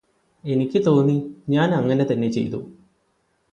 എനിക്ക് തോന്നി ഞാനങ്ങനെ തന്നെ ചെയ്തു